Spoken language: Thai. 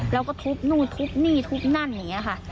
แล้วก็ทุบนู่นทุบนี่ทุบนั่นอย่างนี้ค่ะ